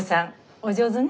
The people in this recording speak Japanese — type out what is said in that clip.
お上手ね。